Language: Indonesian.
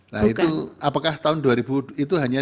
nah itu apakah tahun dua ribu itu hanya dua ribu dua puluh